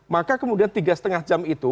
maka kemudian tiga lima jam itu